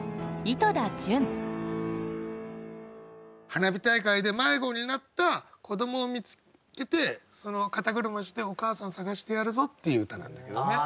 花火大会で迷子になった子どもを見つけて肩車してお母さん捜してやるぞっていう歌なんだけどね。